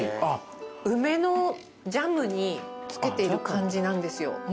梅のジャムに付けている感じなんですよ。